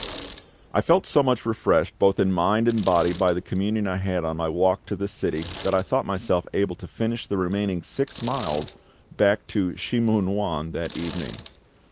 I felt so much refreshed both in mind and body by the communion I had on my walk to the city that I thought myself able to finish the remaining six miles back to Shih mun wan that evening.